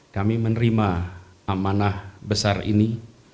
kami menerima amanah besar ini